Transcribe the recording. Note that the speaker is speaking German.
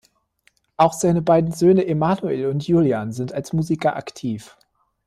Auch seine beiden Söhne Emanuel und Julian sind als Musiker aktiv.